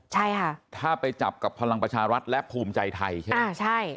ใช่ค่ะถ้าไปจับกับพลังประชารัฐและภูมิใจไทยใช่ไหมอ่าใช่